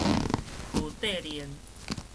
區塊鏈